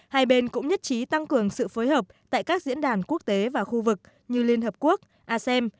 hai bên cũng nhất trí tăng cường sự phối hợp tại các diễn đàn quốc tế và khu vực như liên hợp quốc asem